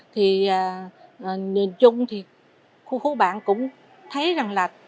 thì nhìn chung thì khu phố bạn cũng thấy rằng là